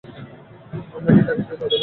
আমরা কি তাকে যেতে দিব?